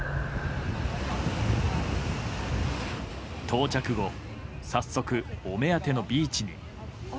到着後早速、お目当てのビーチに。